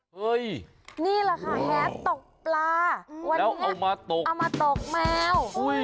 เนี่ยแหละคะแหละตกปลาเอามาตกแมว